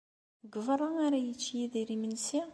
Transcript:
Deg beṛṛa ara yečč Yidir imensi?